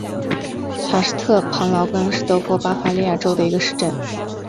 施塔特劳林根是德国巴伐利亚州的一个市镇。